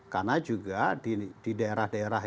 karena juga di daerah daerah